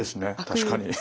確かに。